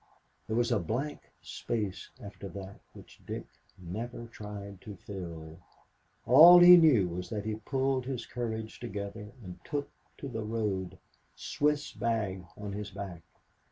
There was a blank space after that which Dick never tried to fill. All he knew was that he pulled his courage together and took to the road, Swiss bag on his back.